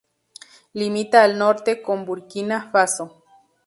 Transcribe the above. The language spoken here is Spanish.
Limita al norte con Burkina Faso.